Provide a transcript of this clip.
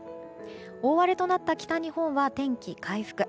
大荒れとなった北日本は天気回復。